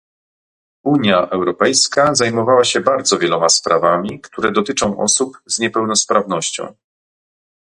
Unia Europejska zajmowała się bardzo wieloma sprawami, które dotyczą osób z niepełnosprawnością